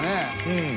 うん。